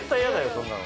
そんなの。